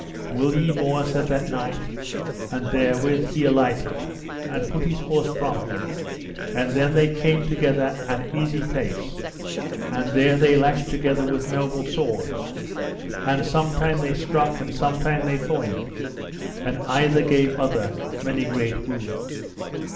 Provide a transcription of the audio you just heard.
Will ye more? said that knight. And therewith he alighted, and put his horse from him; and then they came together an easy pace, and there they lashed together with noble swords, and sometime they struck and sometime they foined, and either gave other many great wounds.